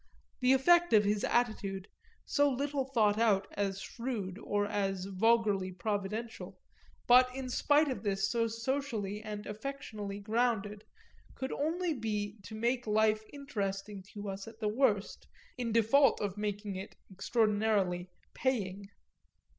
The effect of his attitude, so little thought out as shrewd or as vulgarly providential, but in spite of this so socially and affectionally founded, could only be to make life interesting to us at the worst, in default of making it extraordinarily "paying."